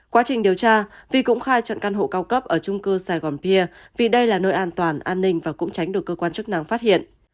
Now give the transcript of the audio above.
quá trình điều tra vi cũng khai chọn căn hộ cao cấp ở trung cư sài gòn pia vì đây là nơi an toàn an ninh và cũng tránh được cơ quan chức năng phát hiện